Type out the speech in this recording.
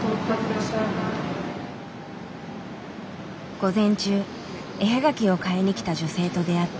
午前中絵はがきを買いにきた女性と出会った。